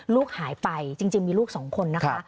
ลูกหายไปจริงมีลูกสองคนนะคะ